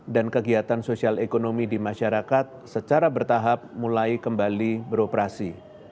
dan kegiatan sosial ekonomi di masyarakat secara bertahap mulai kembali beroperasi